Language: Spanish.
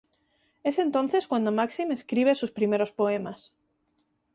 Es entonces cuando Maksim escribe sus primeros poemas.